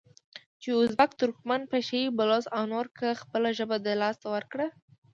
چې ازبک، ترکمن، پشه یي، بلوڅ او نورو که خپله ژبه د لاسه ورکړه،